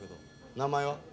名前は？